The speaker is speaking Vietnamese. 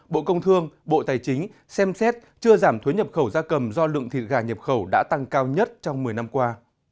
bộ công thương bộ tài chính xem xét chưa giảm thuế nhập khẩu gia cầm do lượng thịt gà nhập khẩu đã tăng cao nhất trong một mươi năm qua